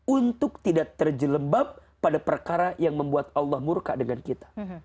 untuk tidak terjelembab pada perkara yang membuat allah murka dengan kita